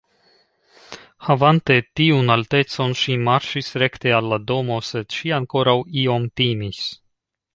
Havante tiun altecon ŝi marŝis rekte al la domo, sed ŝi ankoraŭ iom timis.